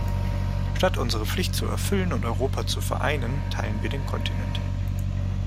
Statt unsere Pflicht zu erfüllen und Europa zu vereinen, teilen wir den Kontinent.